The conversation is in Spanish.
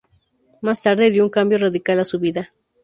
Más tarde, dio un cambio radical a su vida.